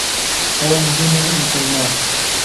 ئەوان بوونە موسڵمان.